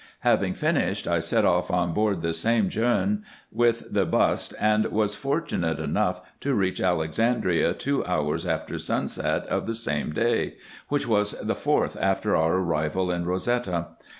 Having finished, I set off on board the same djerm, with the bust, and was IN EGYPT, NUBIA, &c. 135 fortunate enough to reach Alexandria two hours after sunset of the same day, which was the fourth after our arrival in Eosetta.